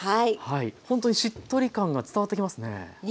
ほんとにしっとり感が伝わってきますね。